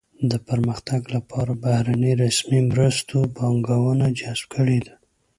د پرمختګ لپاره بهرنیو رسمي مرستو پانګونه جذب کړې ده.